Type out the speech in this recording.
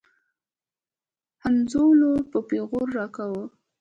همزولو به پيغور راکاوه.